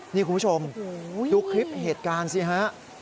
นี่คุณผู้ชมดูคลิปเหตุการณ์สิฮะ